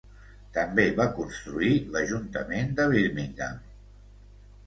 També va construir l'Ajuntament de Birmingham.